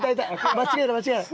間違いない間違いない。